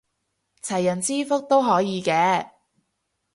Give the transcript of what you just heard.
齊人之福都可以嘅